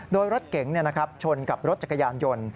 โดยรถเก๋งชนกับรถจักรยานยนต์